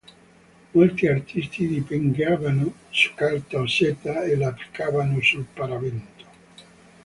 Molti artisti dipingevano su carta o seta e la applicavano sul paravento.